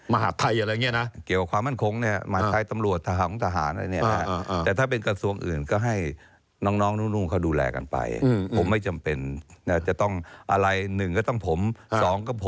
มหาวิทยาลักษณะหรืออะไรอย่างนี้นะ